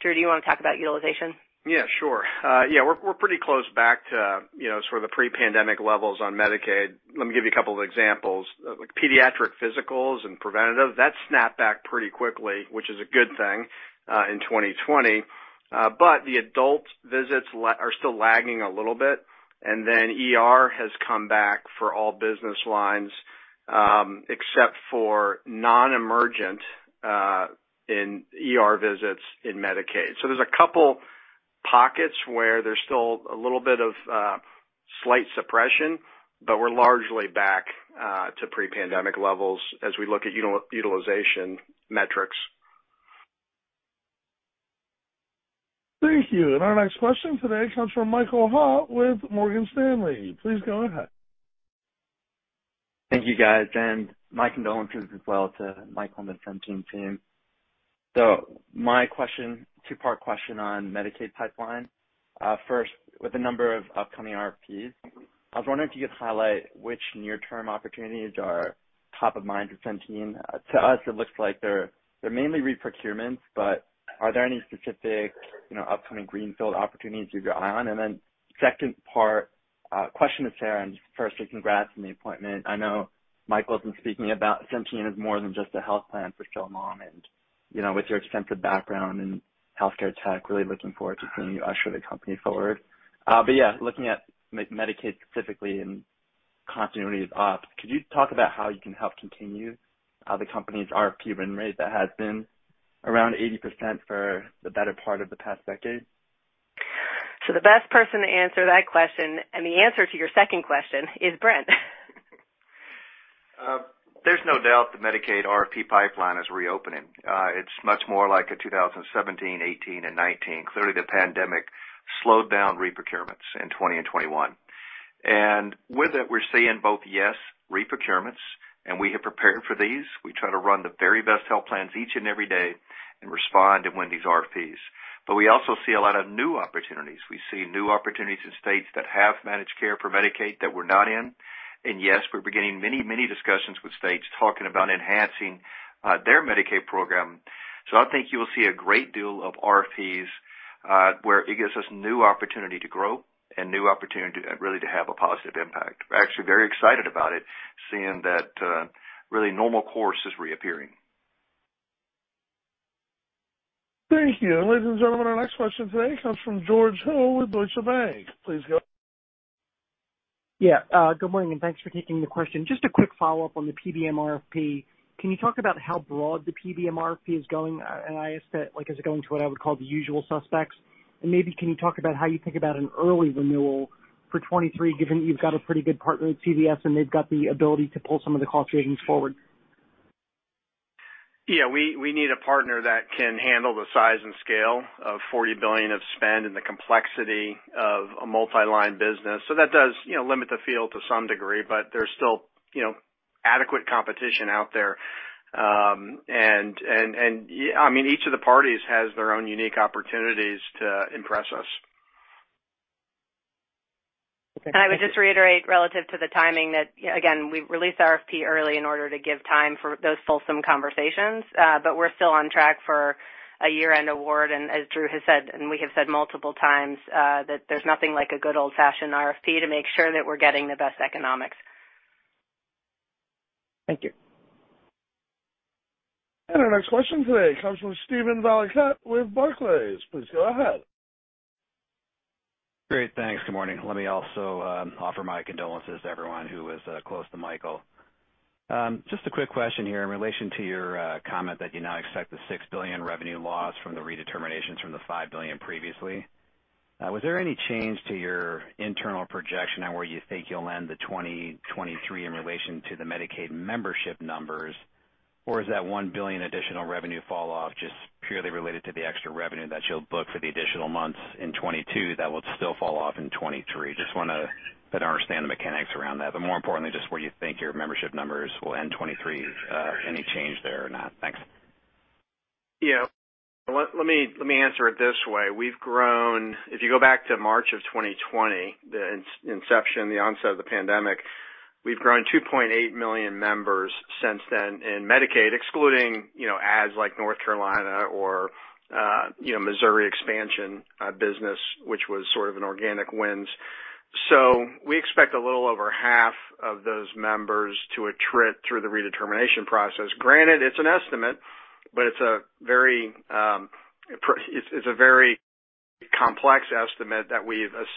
Speaker 3: Drew, do you wanna talk about utilization?
Speaker 5: Yeah, sure. Yeah, we're pretty close back to, you know, sort of the pre-pandemic levels on Medicaid. Let me give you a couple of examples. Like pediatric physicals and preventative, that snapped back pretty quickly, which is a good thing, in 2020. But the adult visits are still lagging a little bit, and then ER has come back for all business lines, except for non-emergent, in ER visits in Medicaid. So there's a couple pockets where there's still a little bit of slight suppression, but we're largely back, to pre-pandemic levels as we look at utilization metrics.
Speaker 1: Thank you. Our next question today comes from Michael Ha with Morgan Stanley. Please go ahead.
Speaker 15: Thank you, guys, and my condolences as well to Michael and the Centene team. My question, two-part question on Medicaid pipeline. First, with a number of upcoming RFPs, I was wondering if you could highlight which near-term opportunities are top of mind for Centene. To us, it looks like they're mainly re-procurements, but are there any specific, you know, upcoming greenfield opportunities you have your eye on? Second part, question to Sarah, and first, congrats on the appointment. I know Michael has been speaking about Centene as more than just a health plan for so long. You know, with your extensive background in healthcare tech, really looking forward to seeing you usher the company forward. Yeah, looking at like Medicaid specifically and continuity of ops, could you talk about how you can help continue the company's RFP win rate that has been around 80% for the better part of the past decade?
Speaker 3: The best person to answer that question, and the answer to your second question, is Brent.
Speaker 4: There's no doubt the Medicaid RFP pipeline is reopening. It's much more like 2017, 2018, and 2019. Clearly, the pandemic slowed down re-procurements in 2020 and 2021. With it, we're seeing both, yes, re-procurements, and we have prepared for these. We try to run the very best health plans each and every day and respond and win these RFPs. We also see a lot of new opportunities. We see new opportunities in states that have managed care for Medicaid that we're not in. Yes, we're beginning many, many discussions with states talking about enhancing their Medicaid program. I think you will see a great deal of RFPs, where it gives us new opportunity to grow and new opportunity really to have a positive impact. We're actually very excited about it, seeing that really normal course is reappearing.
Speaker 1: Thank you. Ladies and gentlemen, our next question today comes from George Hill with Deutsche Bank. Please go.
Speaker 16: Yeah. Good morning, and thanks for taking the question. Just a quick follow-up on the PBM RFP. Can you talk about how broad the PBM RFP is going? And I guess that, like, is it going to what I would call the usual suspects? And maybe can you talk about how you think about an early renewal for 2023, given you've got a pretty good partner with CVS, and they've got the ability to pull some of the cost savings forward?
Speaker 5: Yeah. We need a partner that can handle the size and scale of $40 billion of spend and the complexity of a multi-line business. That does, you know, limit the field to some degree, but there's still, you know, adequate competition out there. Yeah, I mean, each of the parties has their own unique opportunities to impress us.
Speaker 3: I would just reiterate relative to the timing that, you know, again, we released RFP early in order to give time for those fulsome conversations. But we're still on track for a year-end award. As Drew has said, and we have said multiple times, that there's nothing like a good old-fashioned RFP to make sure that we're getting the best economics.
Speaker 16: Thank you.
Speaker 1: Our next question today comes from Steven Valiquette with Barclays. Please go ahead.
Speaker 17: Great. Thanks. Good morning. Let me also offer my condolences to everyone who was close to Michael. Just a quick question here in relation to your comment that you now expect the $6 billion revenue loss from the redeterminations from the $5 billion previously. Was there any change to your internal projection on where you think you'll end 2023 in relation to the Medicaid membership numbers? Or is that $1 billion additional revenue falloff just purely related to the extra revenue that you'll book for the additional months in 2022 that will still fall off in 2023? Just wanna better understand the mechanics around that. But more importantly, just where you think your membership numbers will end 2023, any change there or not? Thanks.
Speaker 5: Yeah. Let me answer it this way. If you go back to March 2020, the inception, the onset of the pandemic, we've grown 2.8 million members since then in Medicaid, excluding ads like North Carolina or Missouri expansion business, which was sort of an organic wins. We expect a little over half of those members to attrit through the redetermination process. Granted, it's an estimate, but it's a very complex estimate that we've had conversations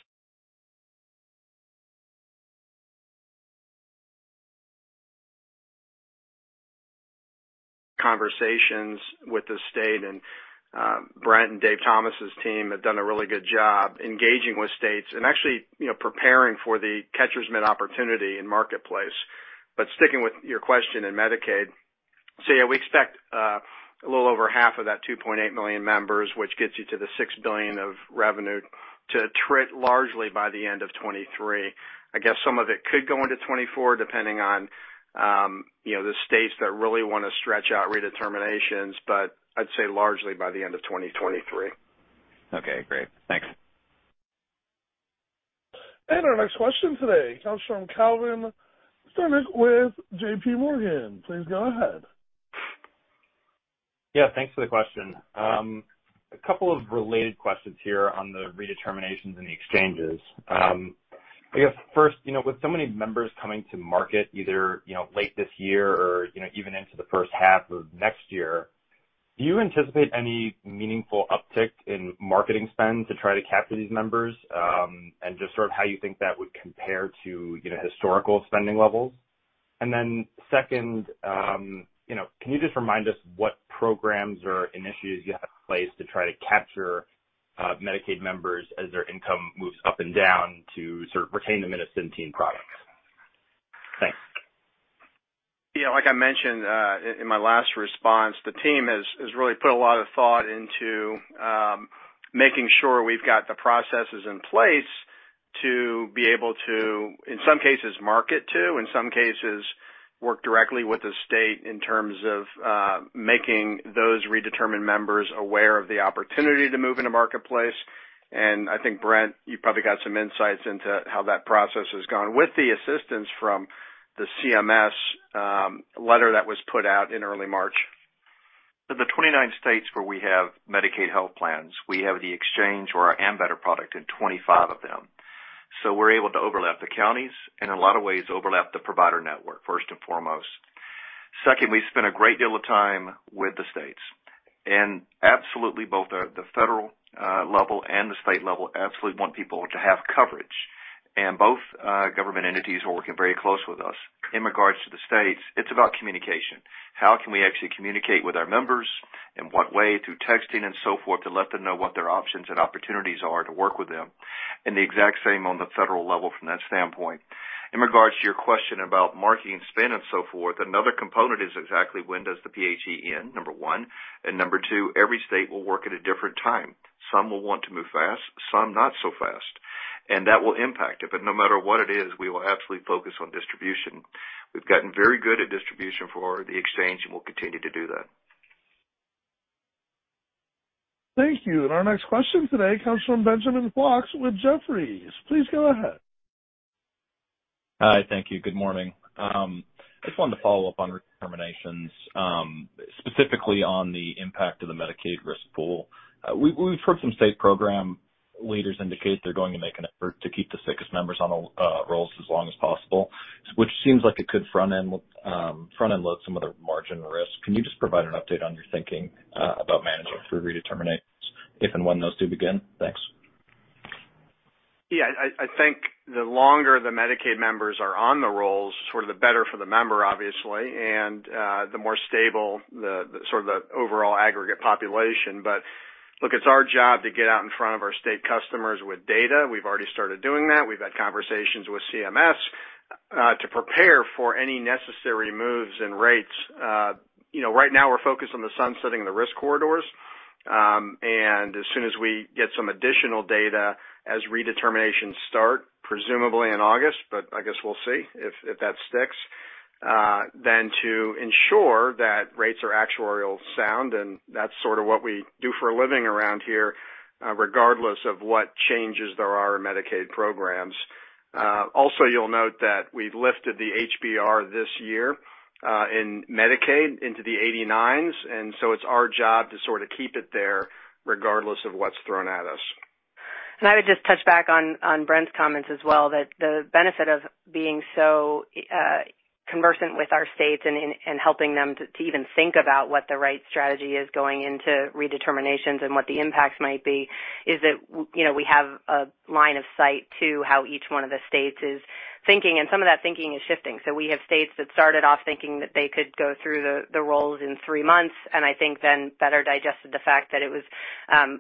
Speaker 5: with the state, and Brent and David Thomas's team have done a really good job engaging with states and actually preparing for the massive opportunity in Marketplace. Sticking with your question in Medicaid. We expect a little over half of that 2.8 million members, which gets you to the $6 billion of revenue to attrit largely by the end of 2023. I guess some of it could go into 2024, depending on you know, the states that really wanna stretch out redeterminations, but I'd say largely by the end of 2023.
Speaker 17: Okay, great. Thanks.
Speaker 1: Our next question today comes from Calvin Sternick with J.P. Morgan. Please go ahead.
Speaker 18: Yeah, thanks for the question. A couple of related questions here on the redeterminations in the exchanges. I guess first, you know, with so many members coming to market, either, you know, late this year or, you know, even into the first half of next year, do you anticipate any meaningful uptick in marketing spend to try to capture these members, and just sort of how you think that would compare to, you know, historical spending levels? Second, you know, can you just remind us what programs or initiatives you have in place to try to capture, Medicaid members as their income moves up and down to sort of retain them into Centene products? Thanks.
Speaker 5: Yeah. Like I mentioned, in my last response, the team has really put a lot of thought into making sure we've got the processes in place to be able to, in some cases, market to, in some cases, work directly with the state in terms of making those redetermined members aware of the opportunity to move into Marketplace. I think, Brent, you probably got some insights into how that process has gone with the assistance from the CMS letter that was put out in early March.
Speaker 4: In the 29 states where we have Medicaid health plans, we have the exchange or our Ambetter product in 25 of them. We're able to overlap the counties, in a lot of ways, overlap the provider network, first and foremost. Second, we spent a great deal of time with the states. Absolutely both the federal level and the state level absolutely want people to have coverage. Both government entities are working very close with us. In regards to the states, it's about communication. How can we actually communicate with our members, in what way, through texting and so forth, to let them know what their options and opportunities are to work with them? The exact same on the federal level from that standpoint. In regards to your question about marketing spend and so forth, another component is exactly when does the PHE end, number one, and number two, every state will work at a different time. Some will want to move fast, some not so fast, and that will impact it. No matter what it is, we will absolutely focus on distribution. We've gotten very good at distribution for the exchange, and we'll continue to do that.
Speaker 1: Thank you. Our next question today comes from Benjamin Flox with Jefferies. Please go ahead.
Speaker 19: Hi. Thank you. Good morning. Just wanted to follow up on redeterminations, specifically on the impact of the Medicaid risk pool. We've heard some state program leaders indicate they're going to make an effort to keep the sickest members on the rolls as long as possible, which seems like it could front-end load some of the margin risk. Can you just provide an update on your thinking about managing through redeterminations if and when those do begin? Thanks.
Speaker 5: Yeah. I think the longer the Medicaid members are on the rolls, sort of the better for the member obviously, and the more stable the sort of the overall aggregate population. Look, it's our job to get out in front of our state customers with data. We've already started doing that. We've had conversations with CMS to prepare for any necessary moves and rates. You know, right now we're focused on sunsetting the risk corridors. And as soon as we get some additional data as redeterminations start, presumably in August, but I guess we'll see if that sticks, then to ensure that rates are actuarially sound, and that's sort of what we do for a living around here, regardless of what changes there are in Medicaid programs. Also, you'll note that we've lifted the HBR this year in Medicaid into the 89s, and it's our job to sort of keep it there regardless of what's thrown at us.
Speaker 3: I would just touch back on Brent's comments as well, that the benefit of being so conversant with our states and helping them to even think about what the right strategy is going into redeterminations and what the impacts might be is that you know, we have a line of sight to how each one of the states is thinking, and some of that thinking is shifting. We have states that started off thinking that they could go through the rolls in three months, and I think then better digested the fact that it was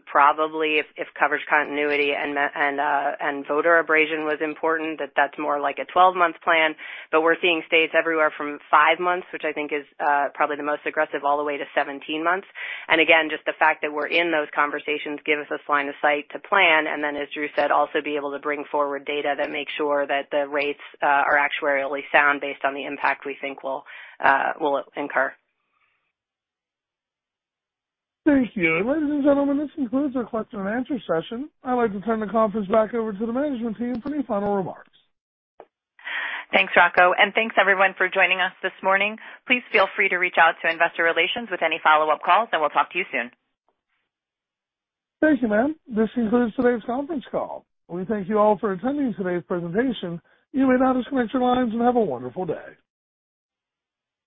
Speaker 3: probably if coverage continuity and voter abrasion was important, that that's more like a 12-month plan. We're seeing states everywhere from five months, which I think is probably the most aggressive, all the way to 17 months. Again, just the fact that we're in those conversations give us this line of sight to plan, and then as Drew said, also be able to bring forward data that makes sure that the rates are actuarially sound based on the impact we think we'll incur.
Speaker 1: Thank you. Ladies and gentlemen, this concludes our question-and-answer session. I'd like to turn the conference back over to the management team for any final remarks.
Speaker 3: Thanks, Rocco. Thanks everyone for joining us this morning. Please feel free to reach out to Investor Relations with any follow-up calls, and we'll talk to you soon.
Speaker 1: Thank you, ma'am. This concludes today's conference call. We thank you all for attending today's presentation. You may now disconnect your lines and have a wonderful day.